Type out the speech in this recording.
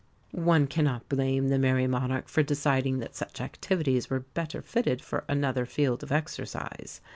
One cannot blame the "Merrie Monarch" for deciding that such activities were better fitted for another field of exercise.